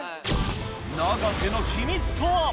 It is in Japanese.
永瀬の秘密とは？